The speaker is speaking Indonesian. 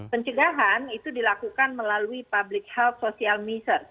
pencegahan itu dilakukan melalui public health social measures